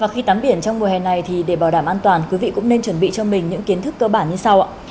khi tắm biển trong mùa hè này thì để bảo đảm an toàn quý vị cũng nên chuẩn bị cho mình những kiến thức cơ bản như sau